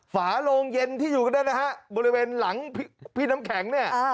ฝาโรงเย็นที่อยู่นั่นนะฮะบริเวณหลังพี่น้ำแข็งเนี่ย